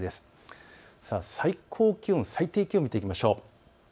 最高気温、最低気温を見ていきましょう。